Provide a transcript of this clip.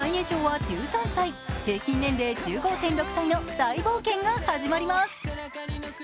なんと最年少は１３歳、平均年齢１５．６歳の大冒険が始まります。